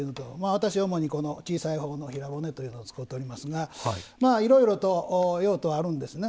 私は主に小さいほうの平骨というのを使ってますが、いろいろと用途はあるんですね。